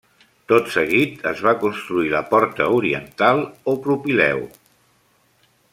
Tot seguit, es va construir la porta oriental o propileu.